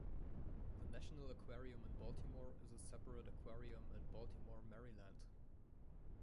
The National Aquarium in Baltimore is a separate aquarium in Baltimore, Maryland.